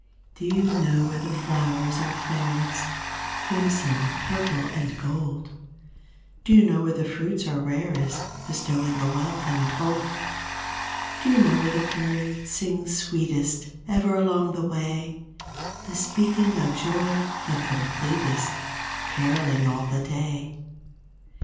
Do you know where the flowers are fairest Crimson, purple and gold; Do you know where the fruits are rarest Bestowing a wealth untold; Do you know where the birds sing sweetest Ever along the way, Bespeaking a joy the completest Caroling all the day?